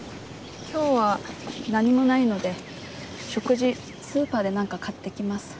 今日は何もないので食事スーパーで何か買ってきます。